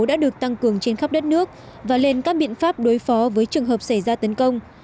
đã được tăng cường trên khắp đất nước và lên các biện pháp đối phó với trường hợp xảy ra tấn công